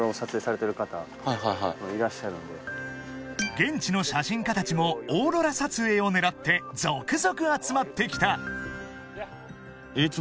［現地の写真家たちもオーロラ撮影を狙って続々集まってきた］